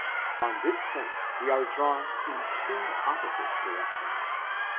On this point we are drawn in two opposite directions.